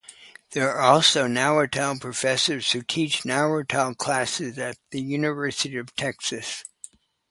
There are also Nahuatl professors who teach Nahuatl classes at the University of Texas.